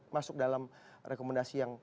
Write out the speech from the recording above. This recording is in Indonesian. masuk dalam rekomendasi yang